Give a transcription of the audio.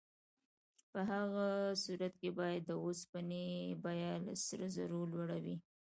په هغه صورت کې باید د اوسپنې بیه له سرو زرو لوړه وای.